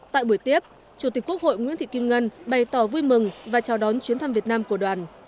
tại buổi tiếp chủ tịch quốc hội nguyễn thị kim ngân bày tỏ vui mừng và chào đón chuyến thăm việt nam của đoàn